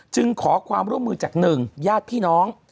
ขอความร่วมมือจาก๑ญาติพี่น้อง